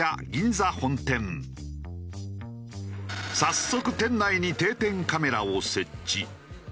早速店内に定点カメラを設置。